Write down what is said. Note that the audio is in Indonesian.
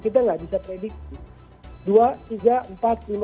kita gak bisa prediksi